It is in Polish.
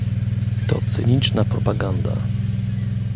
To cyniczna propaganda